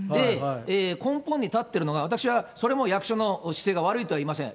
根本に立ってるのが、それも役所の姿勢が悪いとは言いません。